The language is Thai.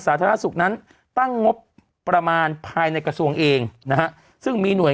สาธารณสุขนั้นตั้งงบประมาณภายในกระทรวงเองนะฮะซึ่งมีหน่วย